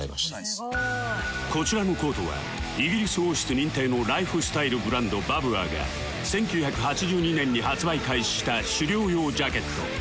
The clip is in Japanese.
こちらのコートはイギリス王室認定のライフスタイルブランド Ｂａｒｂｏｕｒ が１９８２年に発売開始した狩猟用ジャケット